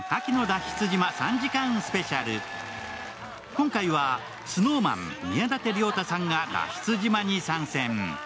今回はＳｎｏｗＭａｎ宮舘涼太さんが脱出島に参戦。